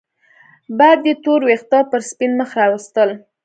باد يې تور وېښته پر سپين مخ راوستل